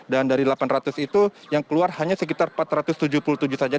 dan dari delapan ratus itu yang keluar hanya sekitar empat ratus tujuh puluh tujuh saja